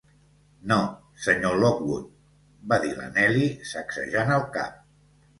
"No, Sr. Lockwood", va dir la Nelly, sacsejant el cap.